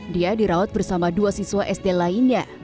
dia dirawat bersama dua siswa sd lainnya